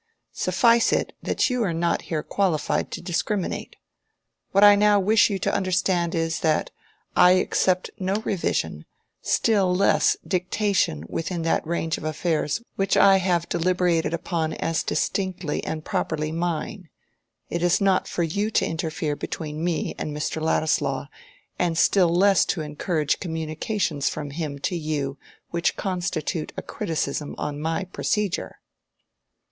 Suffice it, that you are not here qualified to discriminate. What I now wish you to understand is, that I accept no revision, still less dictation within that range of affairs which I have deliberated upon as distinctly and properly mine. It is not for you to interfere between me and Mr. Ladislaw, and still less to encourage communications from him to you which constitute a criticism on my procedure."